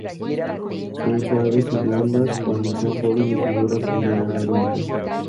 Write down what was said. Son suaves y blandas cuando son jóvenes y duras al llegar a adultas.